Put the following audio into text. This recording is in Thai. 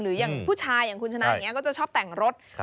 หรืออย่างผู้ชายอย่างคุณชนะอย่างเงี้ยก็จะชอบแต่งรถครับ